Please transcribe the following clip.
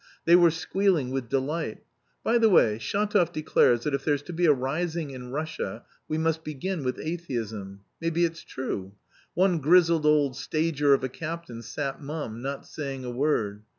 They were squealing with delight. By the way, Shatov declares that if there's to be a rising in Russia we must begin with atheism. Maybe it's true. One grizzled old stager of a captain sat mum, not saying a word.